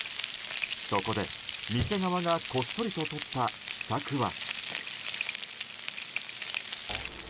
そこで店側がこっそりととった、秘策は。